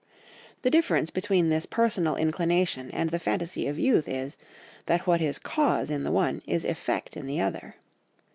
The difference between this personal inclination and the fantasy of youth is, that what is cause in the one is effect in the other.